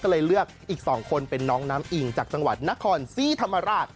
แล้วเลือกอีก๒คนเป็นน้องน้ำอิงจากจังหวร์น่ะคอนซีธรรมาลาศ